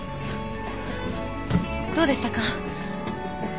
どうでしたか？